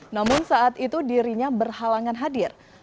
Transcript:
namun saat itu dirinya berhalangan hadir